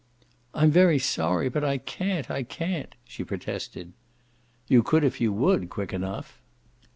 "I'm very sorry, but I can't, I can't!" she protested. "You could if you would, quick enough."